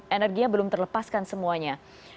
energinya belum terlepaskan semuanya